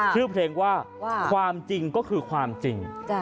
ชื่อเพลงว่าความจริงก็คือความจริง